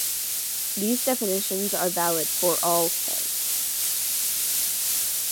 These definitions are valid for all "k".